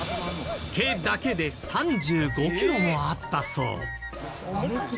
毛だけで３５キロもあったそう。